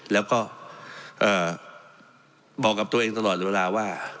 แล้วก็บอกกับตัวเองตลอดเวลาว่า